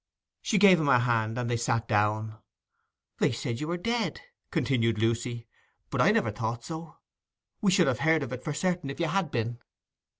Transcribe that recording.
She gave him her hand, and then they sat down. 'They said you were dead,' continued Lucy, 'but I never thought so. We should have heard of it for certain if you had been.